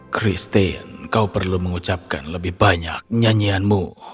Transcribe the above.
christine kau perlu mengucapkan lebih banyak nyanyianmu